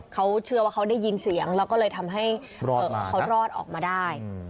เขาเชื่อว่าเขาได้ยินเสียงแล้วก็เลยทำให้เขารอดออกมาได้